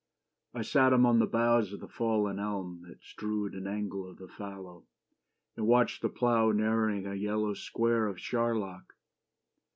I sat among the boughs of the fallen elm That strewed an angle of the fallow, and Watched the plough narrowing a yellow square Of charlock.